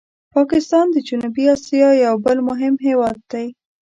پاکستان د جنوبي آسیا یو بل مهم هېواد دی.